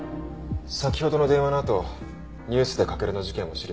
先ほどの電話のあとニュースで駆の事件を知りました。